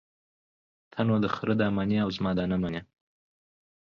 ته نو دخره ده منې او زما ده نه منې.